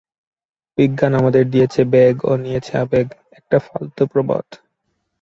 বিজ্ঞান আমাদের দিয়েছে বেগ ও নিয়েছে আবেগ একটা ফালতু প্রবাদ।